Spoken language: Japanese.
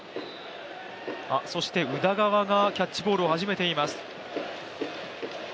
そして宇田川がキャッチボールを始めています。